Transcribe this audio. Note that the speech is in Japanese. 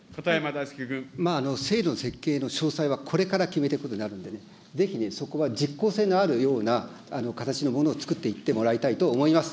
制度の設計の詳細は、これから決めていくことになるんでね、ぜひそこは実効性のあるような形のものをつくっていってもらいたいと思います。